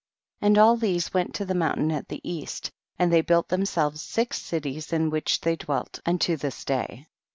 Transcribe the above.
7. And all these went to the moun tain at the east, and they built them selves six cities in which they dwelt unto this day.